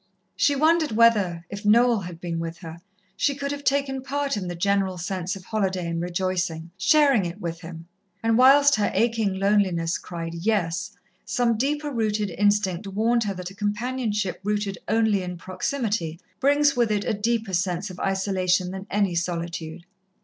She wondered whether, if Noel had been with her, she could have taken part in the general sense of holiday and rejoicing, sharing it with him, and whilst her aching loneliness cried, "Yes," some deeper rooted instinct warned her that a companionship rooted only in proximity brings with it a deeper sense of isolation than any solitude.